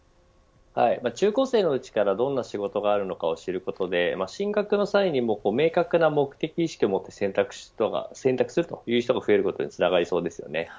中高生のうちからどんな仕事があるのかを知ることで進学の際も明確な目的意識を持って選択するという人が増えることにつながりそうです。